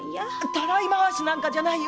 たらい回しじゃないよ